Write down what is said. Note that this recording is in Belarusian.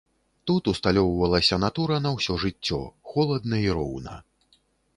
Тут усталёўвалася натура на ўсё жыццё, холадна і роўна.